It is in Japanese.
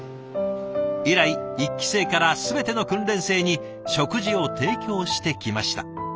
以来１期生から全ての訓練生に食事を提供してきました。